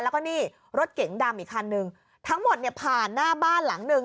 แล้วก็นี่รถเก๋งดำอีกคันนึงทั้งหมดเนี่ยผ่านหน้าบ้านหลังหนึ่ง